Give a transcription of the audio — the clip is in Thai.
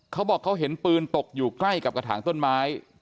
เขาบอกเขาเห็นปืนตกอยู่ใกล้กับกระถางต้นไม้